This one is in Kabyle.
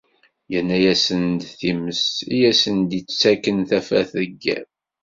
Yerna-asen-d times i asen-d-ittaken tafat deg yiḍ.